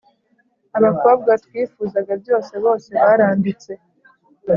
abakobwa twifuzaga byose, bose baranditse